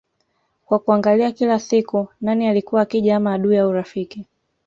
kwa kuangalia kila siku nani alikuwa akija ama adui au rafiki